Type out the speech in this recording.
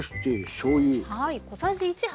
しょうゆ。